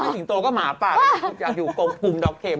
สิงโตก็หมาเปล่าอยากอยู่กงกลุ่มดอกเข็ม